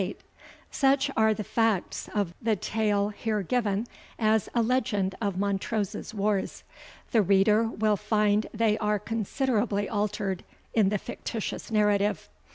Such are the facts of the tale here given as a Legend of Montrose's wars. The reader will find they are considerably altered in the fictitious narrative.